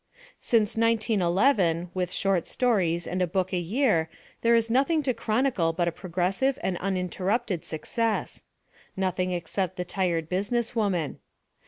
Since 1911 with short stories and a book a year there is nothing to chronicle but a progressive and uninterrupted success. Nothing except the Tired Business Woman.